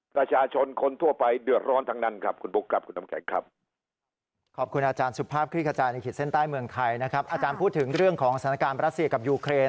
ประชาชนคนทั่วไปเดือดร้อนทั้งนั้นครับคุณบุ๊คครับคุณน้ำแข็งครับ